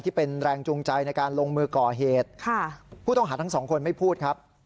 ที่เป็นแรงจูงใจในการลงมือก่อเหตุค่ะผู้ต้องหาทั้งสองคนไม่พูดครับ